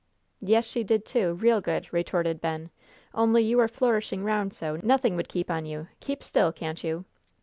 "Yes, she did, too, real good," retorted Ben, "only you are flourishing round so, nothing would keep on you. Keep still, can't you!"